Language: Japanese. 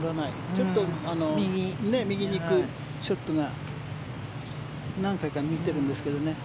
ちょっと右に行くショットが何回か見てるんですけどね。